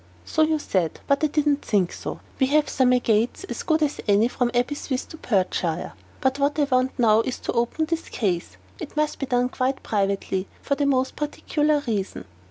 "So you said; but I did not think so. We have some agates as good as any from Aberystwith or Perthshire. But what I want now is to open this case. It must be done quite privately, for a most particular reason.